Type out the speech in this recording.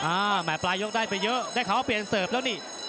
แหมปลายยกได้ไปเยอะได้เขาเปลี่ยนเสิร์ฟแล้วนี่